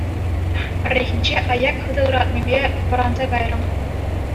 Пӗррехинче аяк хытӑ ыратнипе вӑранса кайрӑм.